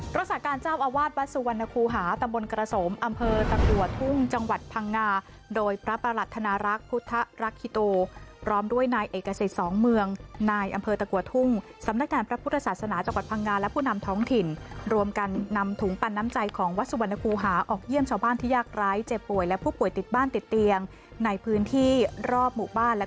รักษาการเจ้าอวาดวัดสุวรรณคูหาตำบลกระสมอำเภอตะกัวทุ่งจังหวัดพังงาโดยพระประหลัดธนารักษ์พุทธรักษ์ฮิโตร้อมด้วยนายเอกสิทธิ์สองเมืองนายอำเภอตะกัวทุ่งสำนักแทนพระพุทธศาสนาจังหวัดพังงาและผู้นำท้องถิ่นรวมกันนำถุงปันน้ำใจของวัดสุวรรณคูหาออกเยี่ยม